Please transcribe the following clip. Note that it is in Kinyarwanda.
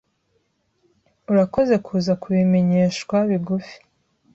Urakoze kuza kubimenyeshwa bigufi.